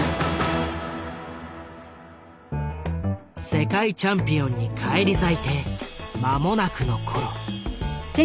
世界チャンピオンに返り咲いて間もなくの頃。